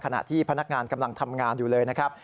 ขณะที่พนักงานกำลังทำงานอยู่เลยนะครับ